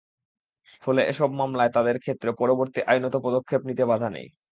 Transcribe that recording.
ফলে এসব মামলায় তাঁদের ক্ষেত্রে পরবর্তী আইনগত পদক্ষেপ নিতে বাধা নেই।